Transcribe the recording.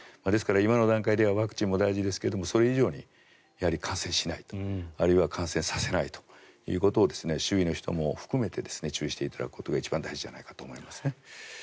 ですから、今の段階ではワクチンも大事ですがそれ以上に感染しない、あるいは感染させないということを周囲の人も含めて注意していただくことが一番大事じゃないかと思いますね。